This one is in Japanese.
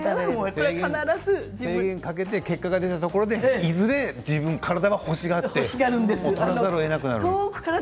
制限をかけて結果が出たところでいずれ体が欲しがってとらざるをえなくなる。